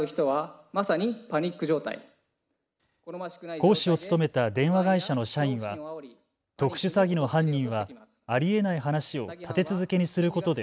講師を務めた電話会社の社員は特殊詐欺の犯人はありえない話を立て続けにすることで